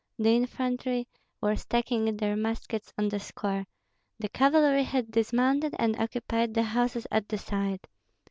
The infantry were stacking their muskets on the square; the cavalry had dismounted and occupied the houses at the side.